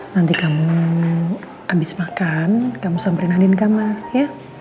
nanti kamu abis makan kamu samperin andin ke kamar ya